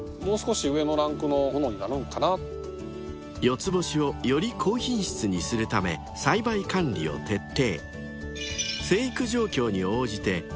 つぼしをより高品質にするため栽培管理を徹底］